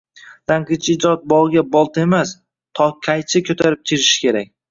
“Tanqidchi ijod bog’iga bolta emas, tokqaychi ko’tarib kirishi kerak!”